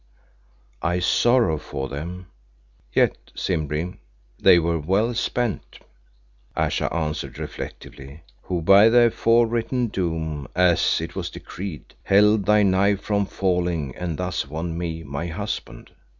"I sorrow for them, yet, Simbri, they were well spent," Ayesha answered reflectively, "who by their forewritten doom, as it was decreed, held thy knife from falling and thus won me my husband.